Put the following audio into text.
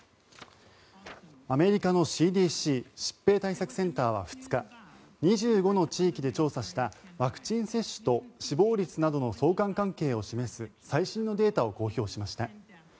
アメリカのＣＤＣ・疾病対策センターは２日２５の地域で調査したワクチン接種と死亡率などの相関関係を示す最新のデータを公表しました。